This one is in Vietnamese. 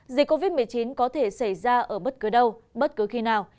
dịch covid một mươi chín có thể xảy ra ở bất cứ đâu bất cứ khi nào